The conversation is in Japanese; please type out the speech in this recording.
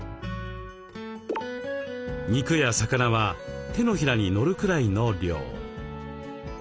肉や魚は手のひらにのるくらいの量。